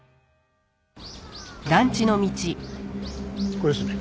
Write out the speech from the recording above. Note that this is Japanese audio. ここですね。